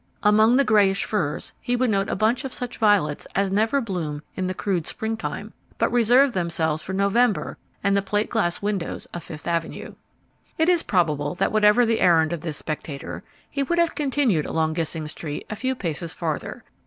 Among the greyish furs he would note a bunch of such violets as never bloom in the crude springtime, but reserve themselves for November and the plate glass windows of Fifth Avenue. It is probable that whatever the errand of this spectator he would have continued along Gissing Street a few paces farther.